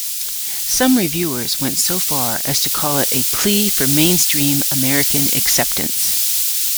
Some reviewers went as far to call it a "plea for mainstream American acceptance.